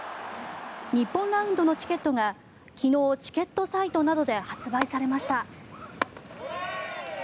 日本ラウンドのチケットが昨日、チケットサイトなどで発売されました。